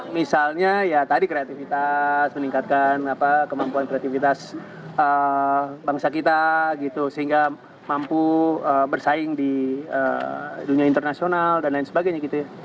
misalnya tadi kreativitas meningkatkan kemampuan kreativitas bangsa kita sehingga mampu bersaing di dunia internasional dan lain sebagainya